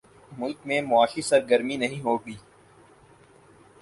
ملک میں معاشی سرگرمی نہیں ہو گی۔